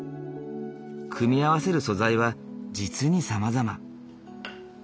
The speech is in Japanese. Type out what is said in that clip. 組み合わせる素材は実にさまざま。